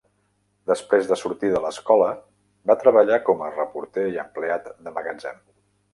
Després de sortir de l"escola, va treballar com a reporter i empleat de magatzem.